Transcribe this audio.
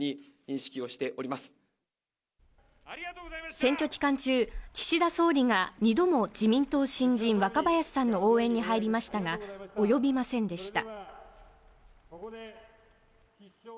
選挙期間中、岸田総理が２度も自民党新人、若林さんの応援に入りましたが及びませんでした。